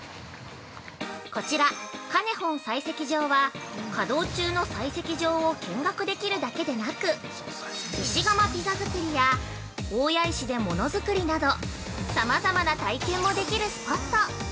◆こちら、カネホン採石場は稼働中の採石場を見学できるだけでなく石窯ピザ作りや大谷石でもの作りなどさまざまな体験もできるスポット。